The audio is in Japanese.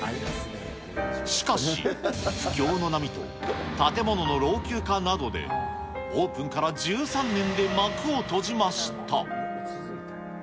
しかし、不況の波と建物の老朽化などで、オープンから１３年で幕を閉じました。